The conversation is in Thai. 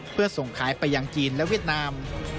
เพื่อส่งขายไปยังจีนและเวียดนาม